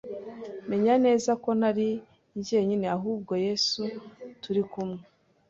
menya neza ko ntari njenyine ahubwo Yesu turi kumwe